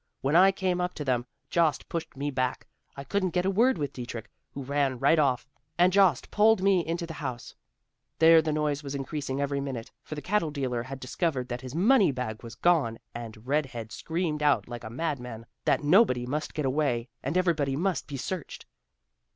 When I came up to them, Jost pushed me back; I couldn't get a word with Dietrich, who ran right off, and Jost pulled me into the house. There the noise was increasing every minute, for the cattle dealer had discovered that his money bag was gone, and red head screamed out like a mad man, that nobody must get away, and everybody must be searched.